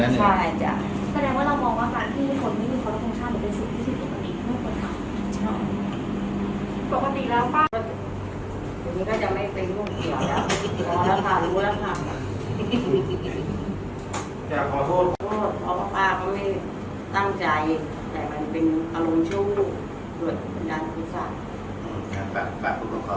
ตอนนี้ก็จะไม่เป็นมุมเกี่ยวแล้วพอแล้วค่ะรู้แล้วค่ะ